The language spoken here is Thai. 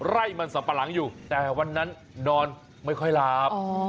ไร่มันสัมปะหลังอยู่แต่วันนั้นนอนไม่ค่อยหลับ